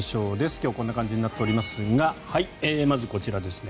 今日はこんな感じになっておりますがまずこちらですね。